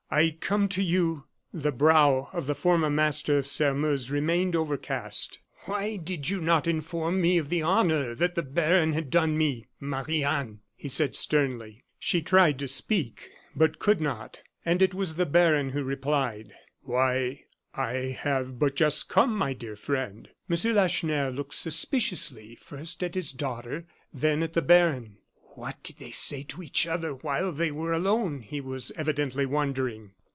I come to you " The brow of the former master of Sairmeuse remained overcast. "Why did you not inform me of the honor that the baron had done me, Marie Anne?" he said sternly. She tried to speak, but could not; and it was the baron who replied: "Why, I have but just come, my dear friend." M. Lacheneur looked suspiciously, first at his daughter, then at the baron. "What did they say to each other while they were alone?" he was evidently wondering.